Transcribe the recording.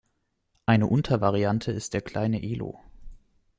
Eine Untervariante ist der kleine Elo.